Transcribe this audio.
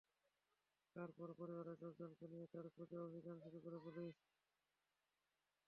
পরে তাঁর পরিবারের লোকজনকে নিয়ে তাঁর খোঁজে অভিযান শুরু করে পুলিশ।